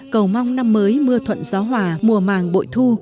cầu mong năm mới mưa thuận gió hòa mùa màng bội thu